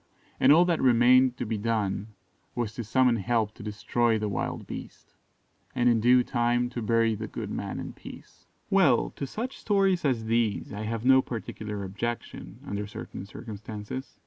and all that remained to be done was to summon help to destroy the wild beast, and in due time to bury the good man in peace. Well, to such stories as these I have no particular objection, under certain circumstances.